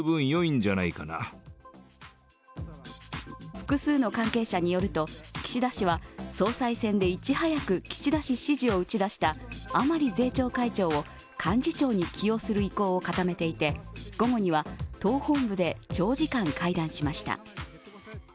複数の関係者によると岸田氏は総裁選でいち早く岸田氏支持を打ち出した甘利税調会長を幹事長に起用する意向を固めていて、午後には党本部で長時間会談しました。